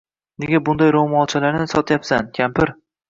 Nega bunday roʻmolchalarni sotyapsan, kampir?